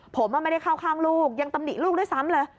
ผมไม่ได้เข้าข้างลูกยังตำหนิลูกด้วยซ้ำเลย